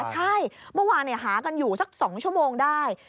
ใช่เมื่อวานหากันอยู่สัก๒ชั่วโมงได้